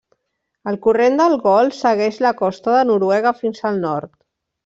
El Corrent del Golf segueix la costa de Noruega fins al nord.